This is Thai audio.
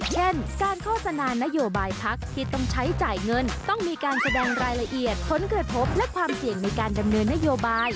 เช่นการโฆษณานโยบายพักที่ต้องใช้จ่ายเงินต้องมีการแสดงรายละเอียดผลเกิดพบและความเสี่ยงในการดำเนินนโยบาย